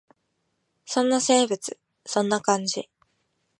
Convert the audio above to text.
そんな生き物。そんな感じ。